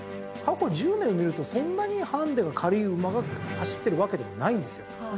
過去１０年を見るとそんなにハンデの軽い馬が走ってるわけでもないんですよ。